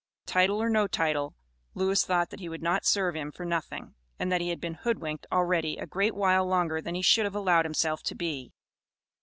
Title or no title, Lewis thought that he would not serve him for nothing, and that he had been hoodwinked already a great while longer than he should have allowed himself to be.